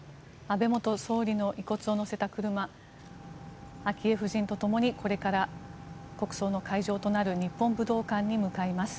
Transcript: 安倍元総理の遺骨を乗せた車昭恵夫人とともにこれから国葬の会場となる日本武道館に向かいます。